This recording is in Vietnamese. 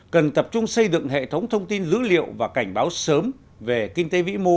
cần tập trung xây dựng hệ thống thông tin dữ liệu và cảnh báo sớm về kinh tế vĩ mô